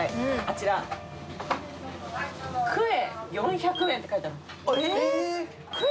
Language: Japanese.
クエ４００円って書いてある。